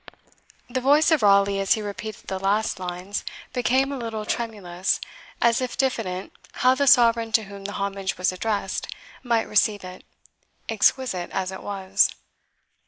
The voice of Raleigh, as he repeated the last lines, became a little tremulous, as if diffident how the Sovereign to whom the homage was addressed might receive it, exquisite as it was.